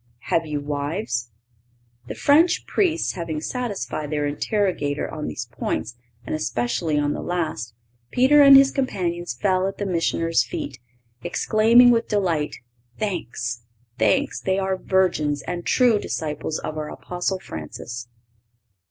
Have you wives?" The French priests having satisfied their interrogator on these points, and especially on the last, Peter and his companions fell at the missioners' feet, exclaiming with delight "Thanks, thanks! they are virgins and true disciples of our Apostle Francis."